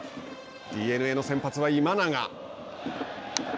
ＤｅＮＡの先発は今永。